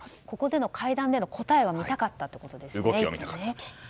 ここでの会談での答えが見たかったということですね。